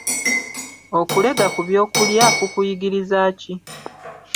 Okulega ku byokulya kukuyigiriza ki?